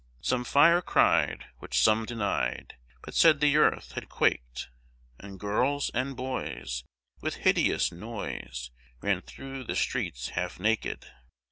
Some fire cry'd, which some deny'd, But said the earth had quaked; And girls and boys, with hideous noise, Ran thro' the streets half naked.